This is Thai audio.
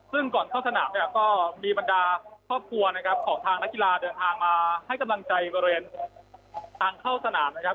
ซึ่งก่อนเข้าสนามเนี่ยก็มีบรรดาครอบครัวนะครับของทางนักกีฬาเดินทางมาให้กำลังใจบริเวณทางเข้าสนามนะครับ